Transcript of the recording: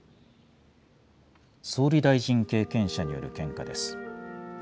総理大臣経験者による献花です。